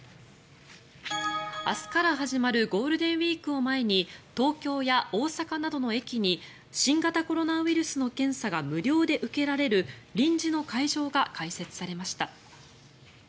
明日から始まるゴールデンウィークを前に東京や大阪などの駅に新型コロナウイルスの検査が無料で受けられる臨時の会場が開設されました。